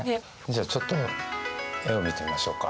じゃあちょっと絵を見てみましょうか。